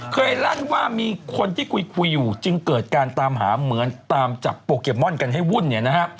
ลั่นว่ามีคนที่คุยอยู่จึงเกิดการตามหาเหมือนตามจับโปเกมอนกันให้วุ่นเนี่ยนะฮะ